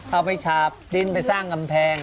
เอาไปฉาบดินไปสร้างกำแพง